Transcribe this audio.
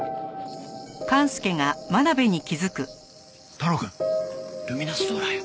太郎くんルミナスソーラーや。